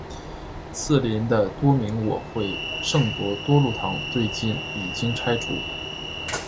毗邻的多明我会圣伯多禄堂最近已经拆除。